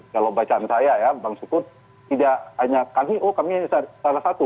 kalau bacaan saya ya bang sukur tidak hanya kami oh kami salah satu